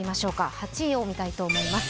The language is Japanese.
８位を見たいと思います。